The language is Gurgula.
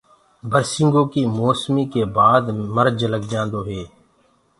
برسينگو مي مي موسمي ڪي بآد مرج لگجآندو هي۔